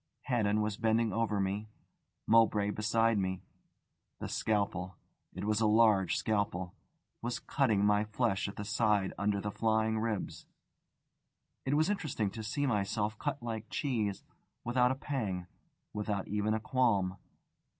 Haddon was bending over me, Mowbray behind me; the scalpel it was a large scalpel was cutting my flesh at the side under the flying ribs. It was interesting to see myself cut like cheese, without a pang, without even a qualm.